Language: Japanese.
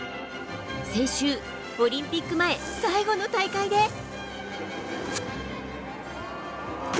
先週、オリンピック前最後の大会で。